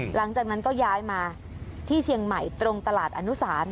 หลังจากนั้นก็ย้ายมาที่เชียงใหม่ตรงตลาดอนุสาร